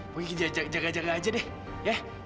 mungkin jaga jarak jaga aja deh ya